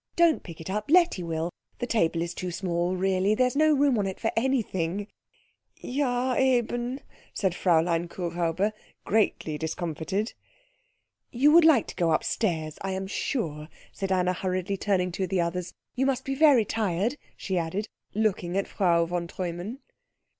"Don't pick it up Letty will. The table is too small really. There is no room on it for anything." "Ja, eben," said Fräulein Kuhräuber, greatly discomfited. "You would like to go upstairs, I am sure," said Anna hurriedly, turning to the others. "You must be very tired," she added, looking at Frau von Treumann.